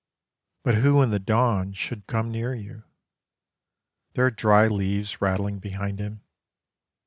But who in the dawn should come near you? There are dry leaves rattling behind him.